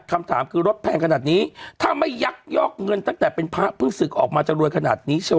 คำถามคือรถแพงขนาดนี้ถ้าไม่ยักยอกเงินตั้งแต่เป็นพระเพิ่งศึกออกมาจะรวยขนาดนี้เชล